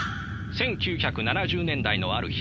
１９７０年代のある日